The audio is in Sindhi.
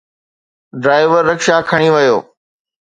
ڊرائيور رڪشا کڻي ويو